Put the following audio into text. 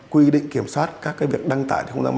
quy định kiểm soát các việc đăng tải